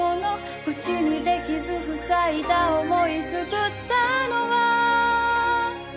「口にできず塞いだ思い救ったのは」